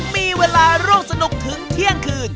มีเวลาร่วมสนุกถึงเที่ยงคืน